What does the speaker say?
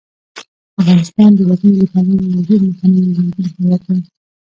افغانستان د وګړي له پلوه یو ډېر متنوع او رنګین هېواد دی.